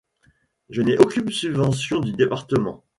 Je n’ai aucune subvention du département.